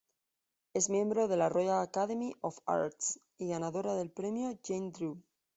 Es miembro de la "Royal Academy" "of Arts" y ganadora del Premio Jane Drew.